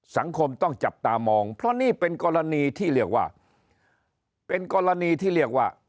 สังคมต้องจับตามองเพราะนี้เป็นกรณีที่เรียกว่า